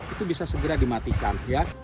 itu bisa segera dimatikan